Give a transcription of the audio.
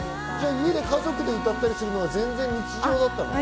家で家族で歌ったりするのが日常だったり？